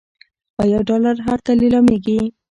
آیا ډالر هلته لیلامیږي؟